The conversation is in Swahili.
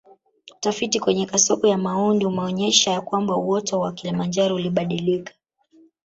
Utafiti kwenye kasoko ya Maundi umeonyesha ya kwamba uoto wa Kilimanjaro ulibadilika